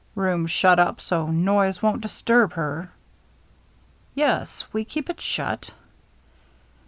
" Room shut up so noise won't disturb her?" "Yes, we keep it shut."